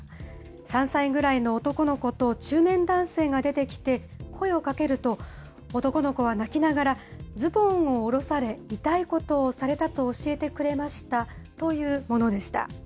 ３歳ぐらいの男の子と中年男性が出てきて、声をかけると、男の子は泣きながら、ズボンを下ろされ、痛いことをされたと教えてくれましたというものでした。